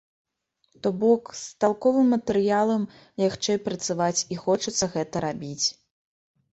То бок, з талковым матэрыялам лягчэй працаваць, і хочацца гэта рабіць.